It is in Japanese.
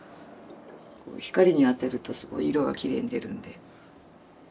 光に当てるとすごい色がきれいに出るんで。